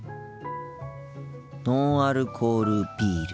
ノンアルコールビール。